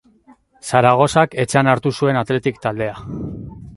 Zaragozak etxean hartu zuen Athletic taldea.